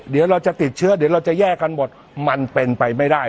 เดี๋ยวเราจะติดเชื้อเดี๋ยวเราจะแย่กันหมดมันเป็นไปไม่ได้